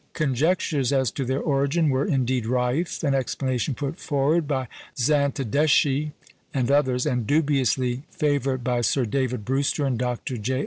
Conjectures as to their origin were indeed rife. An explanation put forward by Zantedeschi and others, and dubiously favoured by Sir David Brewster and Dr. J.